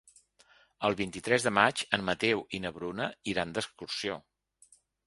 El vint-i-tres de maig en Mateu i na Bruna iran d'excursió.